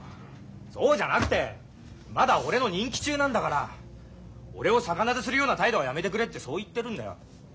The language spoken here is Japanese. そうじゃなくてまだ俺の任期中なんだから俺を逆なでするような態度はやめてくれってそう言ってるんだよ。